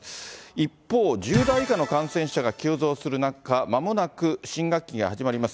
一方、１０代以下の感染者が急増する中、まもなく新学期が始まります。